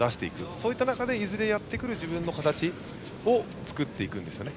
そういった中でいずれやってくる自分の形を作っていくんですね。